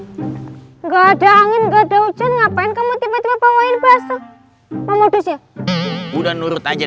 enggak ada angin enggak ada ujan ngapain kamu tiba tiba bawain basuh mau dus ya udah nurut aja